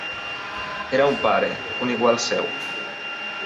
Era un pare, un igual seu.